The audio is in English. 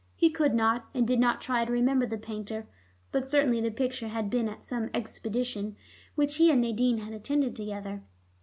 He could not, and did not try to remember the painter, but certainly the picture had been at some exhibition which he and Nadine had attended together.